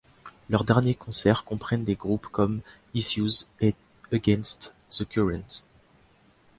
Leurs derniers concerts comprennent des groupes comme Issues et Against the Current.